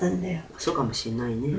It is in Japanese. そうかもしれないね。